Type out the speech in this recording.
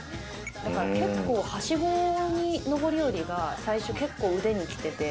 だから結構はしごの上り下りが最初結構腕にきてて。